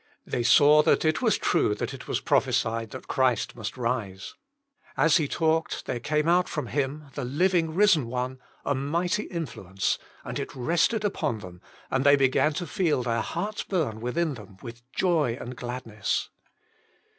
They saw that it was true that it was prophesied that Christ must rise. As He talked, there came out from Him — the living risen One — a mighty influence, and it rested upon them, and they began to feel their heariis bum within them with joy and gladness.